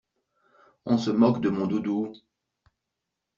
On se moque de mon doudou.